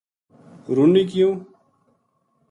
رُنی کیوں